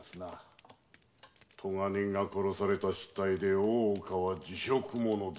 咎人が殺された失態で大岡は辞職ものだ。